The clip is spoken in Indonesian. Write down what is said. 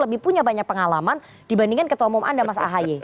lebih punya banyak pengalaman dibandingkan ketua umum anda mas ahaye